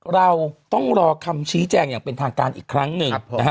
เราต้องรอคำชี้แจงอย่างเป็นทางการอีกครั้งหนึ่งนะฮะ